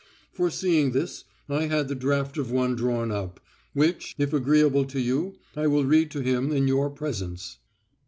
Foreseeing this, I had the draft of one drawn up, which, if agreeable to you, I will read to him in your presence."